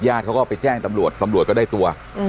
เขาก็ไปแจ้งตำรวจตำรวจก็ได้ตัว